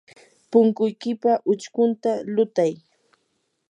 punkuykipa uchkunta lutay.